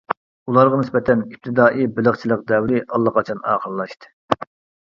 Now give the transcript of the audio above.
ئۇلارغا نىسبەتەن ئىپتىدائىي بېلىقچىلىق دەۋرى ئاللىقاچان ئاخىرلاشتى.